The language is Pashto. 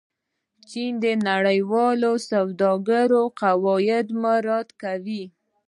چین د نړیوالې سوداګرۍ قواعد مراعت کوي.